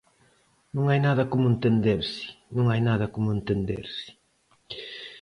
Non hai nada como entenderse, non hai nada como entenderse.